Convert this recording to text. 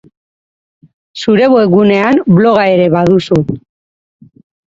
Zure webgunean bloga ere baduzu.